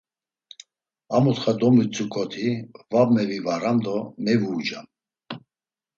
A mutxa domitzuǩoti va movivaram do mevuucam.